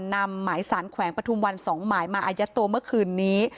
นำหมายสารแขวงปฐุมวัน๒หมายมาอายัดตัวเมื่อคืนนี้